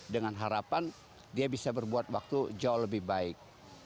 dengan harapan dia bisa berbuat waktu jauh lebih baik